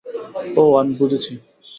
ওহ, আমি বুঝেছি।